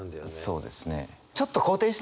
そうですね。